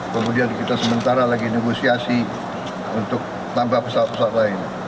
kemudian kita sementara lagi negosiasi untuk tambah pesawat pesawat lain